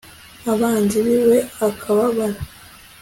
abanzi biwe akababara